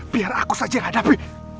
biar aku saja hadapi